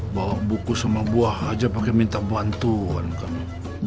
bawa buku sama buah aja pakai minta bantuan kan